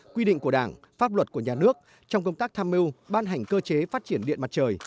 quy định của đảng pháp luật của nhà nước trong công tác tham mưu ban hành cơ chế phát triển điện mặt trời